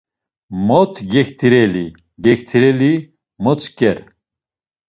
Mot gektireli gektireli motzk̆er?